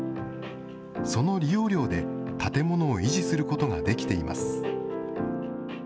その利用料で建物を維持することができています。